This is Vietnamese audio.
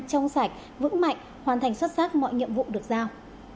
trong sạch vững mạnh hoàn thành xuất sắc mọi nhiệm vụ được giao